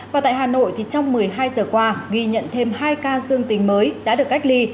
và tại hà nội thì trong một mươi hai giờ qua ghi nhận thêm hai ca dương tính mới đã được cách ly